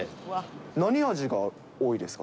何味が多いですか？